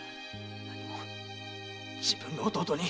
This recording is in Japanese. なにも自分の弟に。